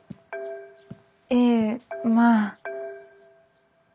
ええまあ。